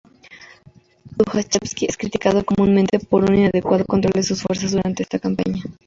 Tujachevski es criticado comúnmente por un inadecuado control de sus fuerzas durante esta campaña.